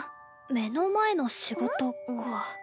目の前の仕事か。